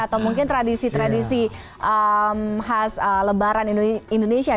atau mungkin tradisi tradisi khas lebaran indonesia